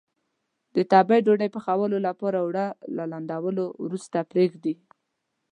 د تبۍ ډوډۍ پخولو لپاره اوړه له لندولو وروسته پرېږدي.